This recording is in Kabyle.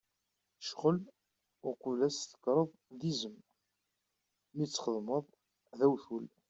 Ccɣel, uqbel ad as-tekkreḍ, d izem! Mi t-txedmeḍ, d awtul.